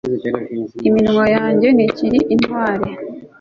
Iminwa yanjye ntikiri intwari